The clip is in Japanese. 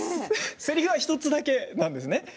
せりふは１つだけなんです